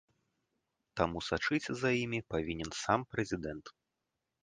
Таму сачыць за імі павінен сам прэзідэнт.